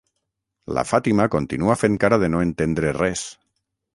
La Fàtima continua fent cara de no entendre res.